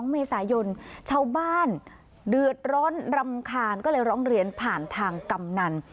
เมษายนชาวบ้านเดือดร้อนรำคาญก็เลยร้องเรียนผ่านทางกำนัน